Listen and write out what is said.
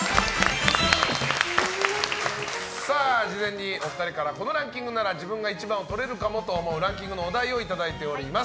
事前にお二人からこのランキングなら自分が１番をとれるかもと思うランキングのお題をいただいております。